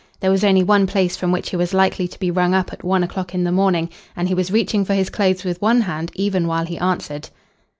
There was only one place from which he was likely to be rung up at one o'clock in the morning, and he was reaching for his clothes with one hand even while he answered.